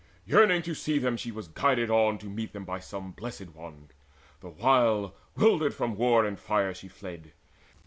Yearning to see them was she guided on To meet them by some Blessed One, the while 'Wildered from war and fire she fled.